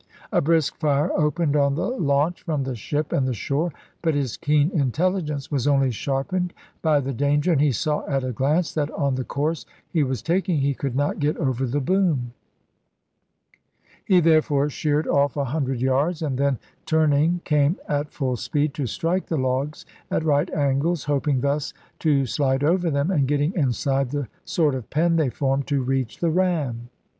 A brisk fire opened on the launch from the ship and the shore, but his keen intelligence was only sharpened by the danger, and he saw at a glance that on the course he was taking he could not get over the boom. He therefore sheered off a hundred yards, and then turning came at full speed to strike the logs at right angles, hoping thus to slide over them, and getting inside the sort of pen they formed, to reach the ram.